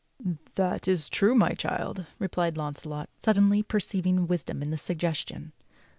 "That is true, my child," replied Launcelot, suddenly perceiving wisdom in the suggestion.